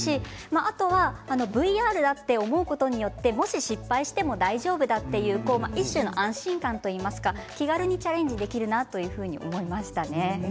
あとはＶＲだと思うことによって失敗しても大丈夫だという一種の安心感というか気軽にチャレンジできるなと思いました。